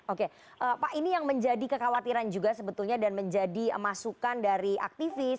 oke pak ini yang menjadi kekhawatiran juga sebetulnya dan menjadi masukan dari aktivis